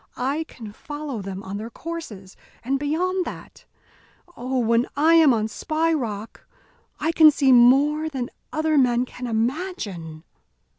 I can follow them on their courses and beyond that Oh! when I am on Spy Rock I can see more than other men can imagine."